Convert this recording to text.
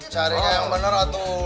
carinya yang bener atuh